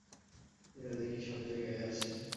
এরা দেখি সব জায়গায় আছে!